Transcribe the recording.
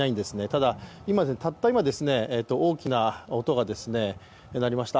ただ、たった今、大きな音が鳴りました。